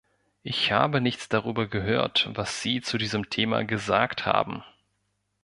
Ich habe nichts darüber gehört, was Sie zu diesem Thema gesagt haben.